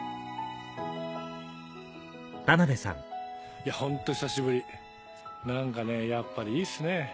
いやホント久しぶり何かねやっぱりいいっすね。